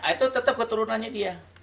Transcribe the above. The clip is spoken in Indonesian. itu tetap keturunannya dia